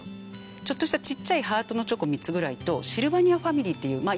ちょっとしたちっちゃいハートのチョコ３つぐらいとシルバニアファミリーっていうまあ